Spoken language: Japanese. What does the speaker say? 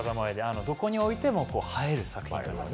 どこに置いても映える作品です。